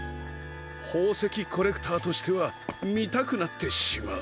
ほうせきコレクターとしてはみたくなってしまう。